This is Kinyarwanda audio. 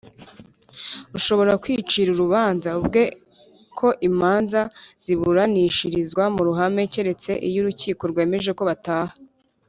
ushobora kwicira urubanza ubwe ko imanza ziburanishirizwa mu ruhame keretse iyo urukiko rwemeje ko bataha